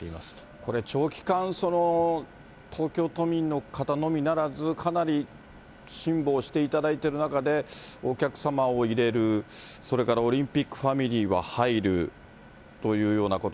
これ、長期間、東京都民の方のみならず、かなり辛抱していただいている中で、お客様を入れる、それからオリンピックファミリーは入るというようなこと。